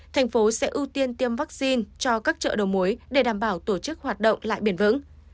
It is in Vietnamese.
thành phố sẽ ưu tiên tiêm vaccine cho các chợ đầu mối để đảm bảo tổ chức hoạt động lại biển vững